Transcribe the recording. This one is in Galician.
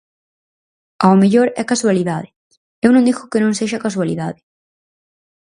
Ao mellor é casualidade; eu non digo que non sexa casualidade.